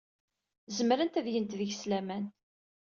Zemrent ad gent deg-s laman.